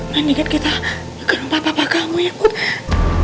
nanti kita ke rumah papa kamu ya putri